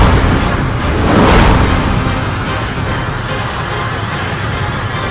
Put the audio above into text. kita harus bisa menangkap mereka